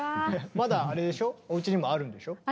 まだおうちにもあるんでしょ？